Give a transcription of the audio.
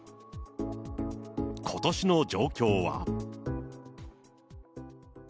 ことしの状況は。